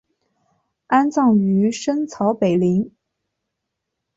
安葬于深草北陵。